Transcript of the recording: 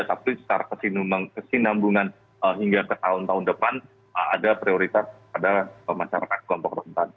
tapi secara kesinambungan hingga ke tahun tahun depan ada prioritas pada masyarakat kelompok rentan